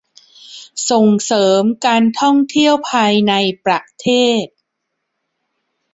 ส่งเสริมการท่องเที่ยวภายในประเทศ